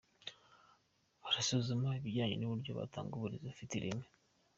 Barasuzuma ibijyanye n’uburyo batanga uburezi bifite ireme.